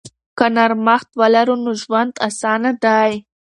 که نرمښت ولرو نو ژوند اسانه دی.